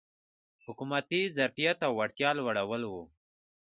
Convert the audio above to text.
حکومتي ظرفیت او وړتیا لوړول و.